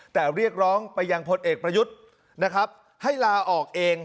แต่เรียกร้องไปยังพลเอกประยุทธ์นะครับให้ลาออกเอง